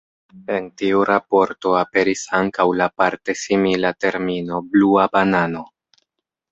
En tiu raporto aperis ankaŭ la parte simila termino Blua Banano.